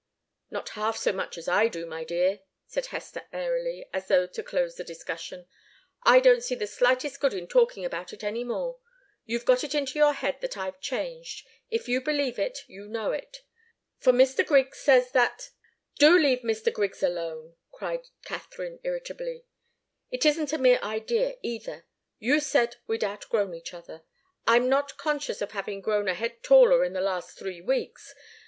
"Not half so much as I do, my dear," said Hester, airily, as though to close the discussion. "I don't see the slightest good in talking about it any more. You've got it into your head that I've changed. If you believe it, you know it, for Mr. Griggs says that " "Do leave Mr. Griggs alone!" cried Katharine, irritably. "It isn't a mere idea, either. You said we'd outgrown each other. I'm not conscious of having grown a head taller in the last three weeks.